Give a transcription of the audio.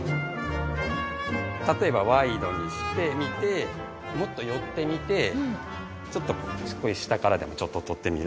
例えばワイドにしてみてもっと寄ってみてちょっとこう下からでもちょっと撮ってみる。